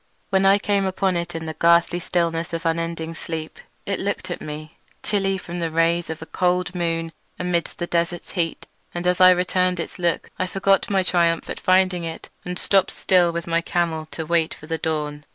When I came upon it in the ghastly stillness of unending sleep it looked at me, chilly from the rays of a cold moon amidst the desert's heat. And as I returned its look I forgot my triumph at finding it, and stopped still with my camel to wait for the dawn.